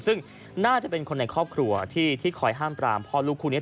ซึ่งน่าจะเป็นคนในครอบครัวที่คอยห้ามปรามพ่อลูกคู่นี้